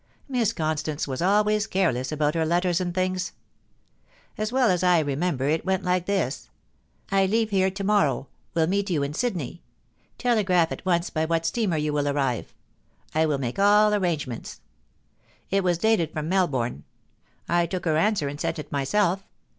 Miss Constance was always careless about her letters and things. As well as I remember, it went like this :" 1 leave here to morrow ; will meet you in Sydney. Telegraph at once by what steamer you will arrive. I will make all arrangements." It was dated from Melbourne. I took her answer and sent it myself.